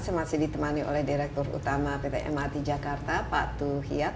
saya masih ditemani oleh direktur utama pt mrt jakarta pak tuh hiyad